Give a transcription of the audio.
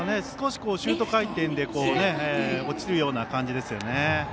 少しシュート回転で落ちるような感じですね。